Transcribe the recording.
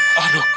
aduh gimana ya